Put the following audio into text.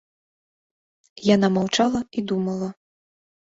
Яна маўчала і думала.